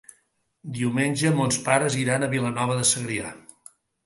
Diumenge mons pares iran a Vilanova de Segrià.